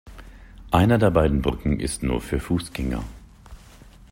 Eine der beiden Brücken ist nur für Fußgänger.